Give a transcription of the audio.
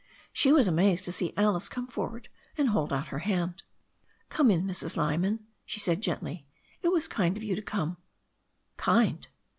She was amazed to see Alice come for ward and hold out her hand. "Come in, Mrs. Lyman," she said gently. "It was kind of you to come." Kind!